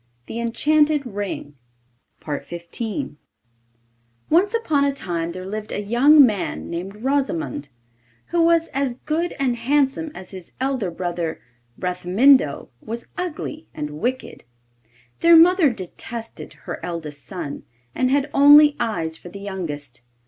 THE ENCHANTED RING Once upon a time there lived a young man named Rosimond, who was as good and handsome as his elder brother Bramintho was ugly and wicked. Their mother detested her eldest son, and had only eyes for the youngest.